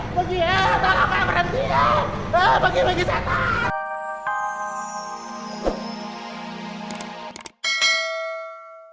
bagi hei tolong aku yang berhenti hei